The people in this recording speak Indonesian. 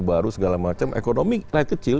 baru segala macam ekonomi naik kecil